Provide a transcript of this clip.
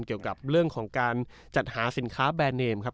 เกี่ยวกับเรื่องของการจัดหาสินค้าแบรนดเนมครับ